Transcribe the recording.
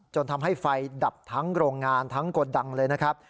จนทำให้ไฟดับทั้งโรงงานทั้งโกดังเลยนะครับ